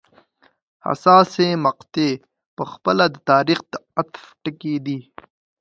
حساسې مقطعې په خپله د تاریخ د عطف ټکي دي.